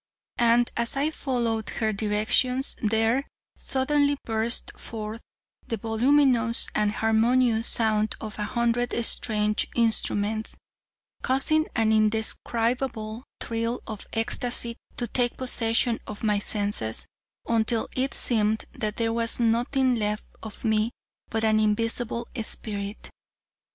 And as I followed her directions, there suddenly burst forth the voluminous and harmonious sound of a hundred strange instruments, causing an indescribable thrill of ecstasy to take possession of my senses, until it seemed that there was nothing left of me but an invisible spirit.